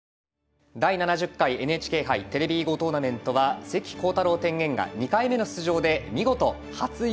「第７０回ＮＨＫ杯テレビ囲碁トーナメント」は関航太郎天元が２回目の出場で見事初優勝を果たしました。